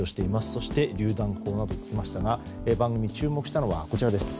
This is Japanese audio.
そしてりゅう弾砲ときましたが番組が注目したのがこちらです。